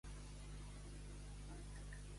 Què es pensava la princesa tebana que era Penteu?